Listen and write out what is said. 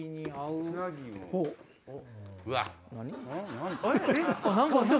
うわっ。